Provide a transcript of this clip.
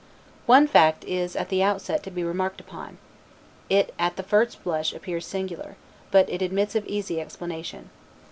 One fact is at the outset to be remarked upon; it at the first blush appears singular, but it admits of easy explanation.